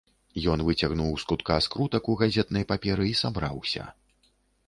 Ён выцягнуў з кутка скрутак у газетнай паперы і сабраўся.